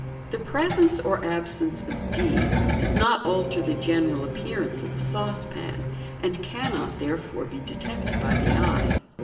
The presence or absence of d does not alter the general appearance of the saucepan, and cannot, therefore, be detected by the eye.